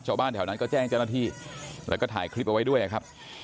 ชาวบ้านแถวนั้นก็แจ้งเจ้าหน้าที่แล้วก็ถ่ายคลิปเอาไว้ด้วยครับ